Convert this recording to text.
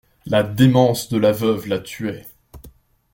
La démence de la veuve la tuait.